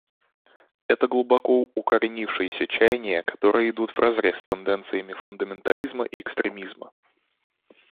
Это глубоко укоренившиеся чаяния, которые идут вразрез с тенденциями фундаментализма и экстремизма.